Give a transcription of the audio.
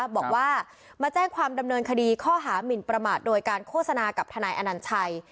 บอกว่ามาแจ้งความดำเนินคดีข้อหามินประมาทโดยการโฆษณากับทนายอนัญชัย